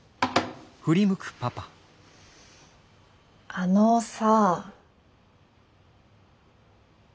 ・・あのさ。